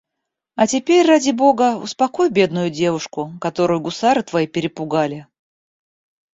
А теперь, ради бога, успокой бедную девушку, которую гусары твои перепугали.